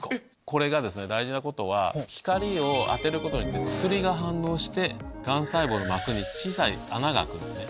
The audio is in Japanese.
これがですね大事なことは光を当てることによって薬が反応してガン細胞の膜に小さい穴が開くんですね。